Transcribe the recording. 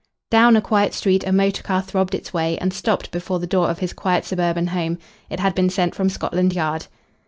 Down a quiet street a motor car throbbed its way and stopped before the door of his quiet suburban home. It had been sent from Scotland Yard.